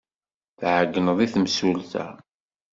Tɛeyyneḍ i temsulta.